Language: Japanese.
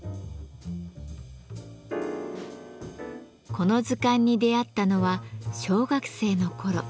この図鑑に出会ったのは小学生の頃。